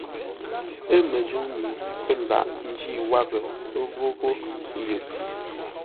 Ə̂ məzə̂u mi pə́ laghʼ ńjî wághʼə ghóghó yʉʼ.